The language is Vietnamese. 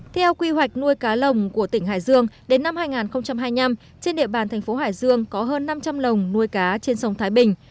theo quy hoạch nuôi cá lồng của tỉnh hải dương đến năm hai nghìn hai mươi năm trên địa bàn thành phố hải dương có hơn năm trăm linh lồng nuôi cá trên sông thái bình